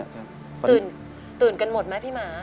ตื่นกันหมดไหมพี่หมา